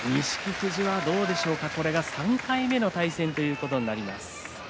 富士はどうでしょうか３回目の対戦ということになります。